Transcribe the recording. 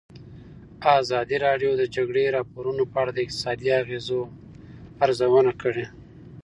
ازادي راډیو د د جګړې راپورونه په اړه د اقتصادي اغېزو ارزونه کړې.